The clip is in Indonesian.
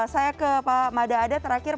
saya ke pak mada adat terakhir